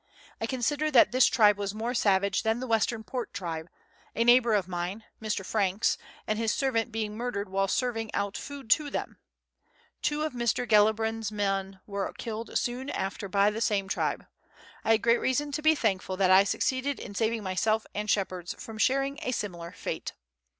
I consider that this tribe was 208 Letters from Victorian Pioneers. more savage than the Western Port tribe, a neighbour of mine (Mr. Franks) and his servant being murdered while serving out food to them. Two of Mr. Gellibrand's men were killed soon after by the same tribe. I had great reason to be thankful that I succeeded in saving myself and shepherds from sharing a similar fate.